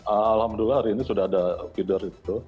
alhamdulillah hari ini sudah ada feeder itu